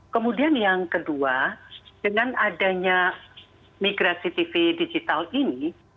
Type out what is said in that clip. kemudian yang kedua dengan adanya migrasi tv digital ini